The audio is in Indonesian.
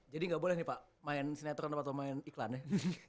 jadi gak boleh nih pak main sinetron atau main iklan ya